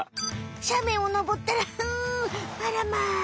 しゃめんをのぼったらうあらま。